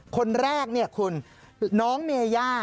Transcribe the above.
คนแรกเนี่ยคุณน้องเมย่า